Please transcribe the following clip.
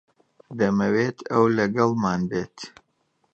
دەمەوێت ئەو لەگەڵمان بێت.